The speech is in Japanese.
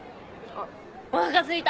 おなかすいた！